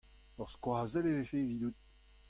Ur skoazell e vefe evidout.